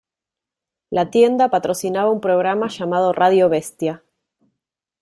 La tienda patrocinaba un programa llamado Radio Bestia.